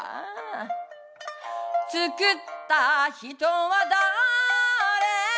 つくった人はだあれ？